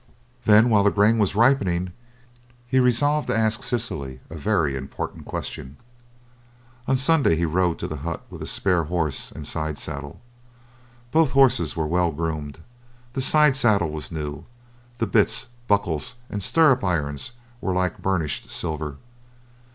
Then while the grain was ripening he resolved to ask Cecily a very important question. One Sunday he rode to the hut with a spare horse and side saddle. Both horses were well groomed, the side saddle was new, the bits, buckles, and stirrup irons were like burnished silver.